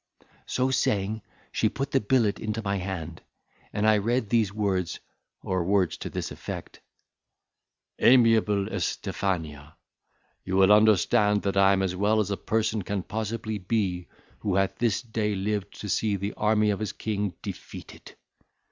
So saying, she put the billet into my hand, and I read these words, or words to this effect:— "AMIABLE ESTIFANIA,—You will understand that I am as well as a person can possibly be who hath this day lived to see the army of his king defeated.